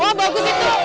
wah bagus itu